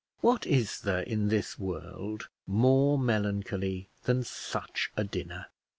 What is there in this world more melancholy than such a dinner?